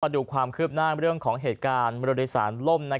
ประดูกความเคลือบหน้าในเรื่องของเหตุการณ์บริษัทล่ม